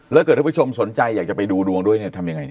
แล้วเกิดท่านผู้ชมสนใจอยากจะไปดูดวงด้วยเนี่ยทำยังไง